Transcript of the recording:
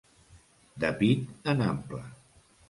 De pit en ample.